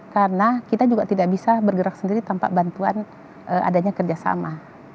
karena kita juga tidak bisa bergerak sendiri tanpa bantuan adanya kerjasama